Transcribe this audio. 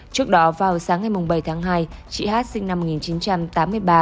trước đó vào sáng ngày bảy tháng hai chị hát sinh năm một nghìn chín trăm tám mươi ba